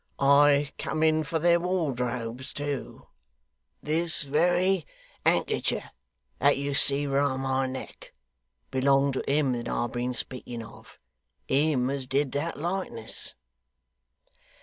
I come in for their wardrobes too. This very handkecher that you see round my neck, belonged to him that I've been speaking of him as did that likeness.